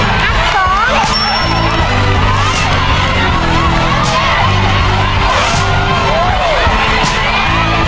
หัวหนึ่งหัวหนึ่งหัวหนึ่ง